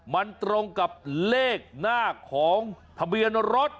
มันตรงกับเลขหน้าของทะเบียนรถ